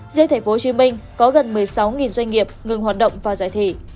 riêng tp hcm có gần một mươi sáu doanh nghiệp ngừng hoạt động và giải thể